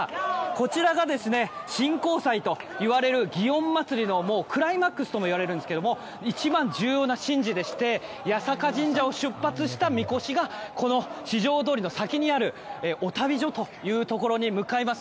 こちらが神幸祭といわれる祇園祭のクライマックスともいわれるんですけれども一番重要な神事でして八坂神社を出発したみこしが四条通の先にあるお旅所に向かいます。